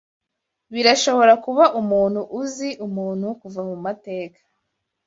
Birashobora kuba umuntu uzi, umuntu kuva mumateka